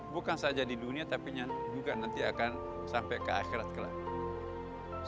bukan saja di dunia tapi juga nanti akan sampai ke akhirat kelahiran